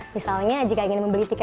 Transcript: misalnya jika ingin membeli tiket